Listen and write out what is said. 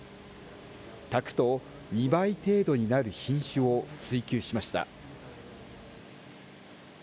炊くと２倍程度になる品種を追求しました。